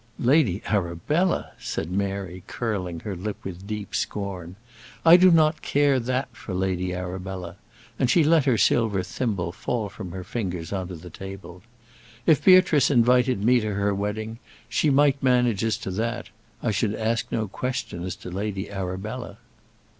"Lady Arabella!" said Mary, curling her lip with deep scorn. "I do not care that for Lady Arabella," and she let her silver thimble fall from her fingers on to the table. "If Beatrice invited me to her wedding, she might manage as to that; I should ask no question as to Lady Arabella."